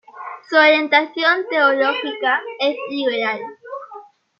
Su orientación teológica es liberal.